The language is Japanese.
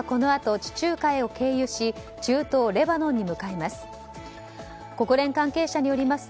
貨物船はこのあと地中海を経由し中東レバノンに向かいます。